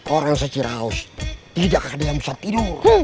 orang seciraus tidak ada yang bisa tidur